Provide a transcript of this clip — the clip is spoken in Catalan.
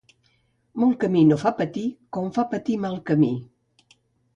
Molt camí no fa patir, com fa patir mal camí.